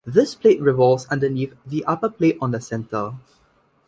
This plate revolves underneath the upper plate on a centre.